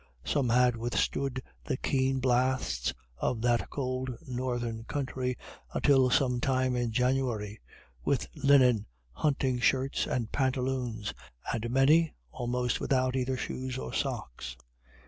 Some had withstood the keen blasts of that cold northern country, until some time in January, with linen hunting shirts and pantaloons, and many almost without either shoes or socks.